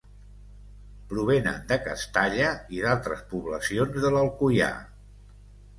Provenen de Castalla i d'altres poblacions de l'Alcoià.